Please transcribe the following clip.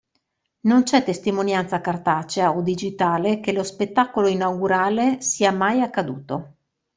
Non c'è testimonianza cartacea o digitale che lo spettacolo inaugurale sia mai accaduto.